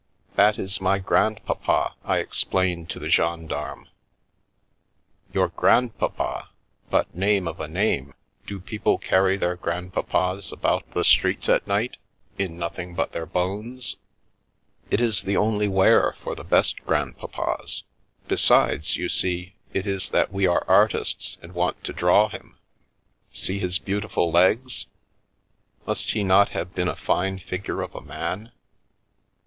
" That is my grandpapa !" I explained to the gen darme. " Your grandpapa ! But, name of a name ! Do peo ple carry their grandpapas about the streets at night, in nothing but their bones ?"" It is the only wear for the best grandpapas. Be sides, see you, it is that we are artists and want to draw him. See his beautiful legs ! Must he not have been a fine figure of a man